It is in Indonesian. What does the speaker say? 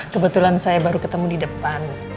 kebetulan saya baru ketemu di depan